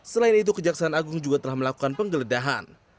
selain itu kejaksaan agung juga telah melakukan penggeledahan